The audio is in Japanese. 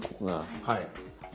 はい。